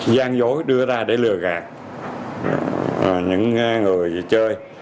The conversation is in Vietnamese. gian dối đưa ra để lừa gạt những người chơi